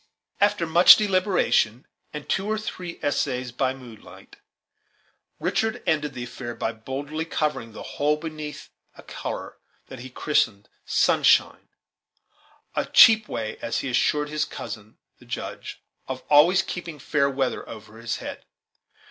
After much deliberation and two or three essays by moonlight, Richard ended the affair by boldly covering the whole beneath a color that he christened "sunshine," a cheap way, as he assured his cousin the Judge, of always keeping fair weather over his head.